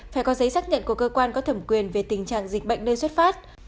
phải có giấy xác nhận của cơ quan có thẩm quyền về tình trạng dịch bệnh nên xuất phát